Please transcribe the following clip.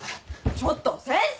ちょっと先生！